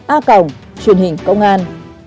a cộng truyền hình công an